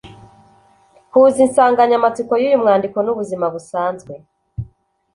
Huza insanganyamatsiko y’uyu mwandiko n’ubuzima busanzwe